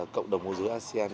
cộng đồng mùa dối asean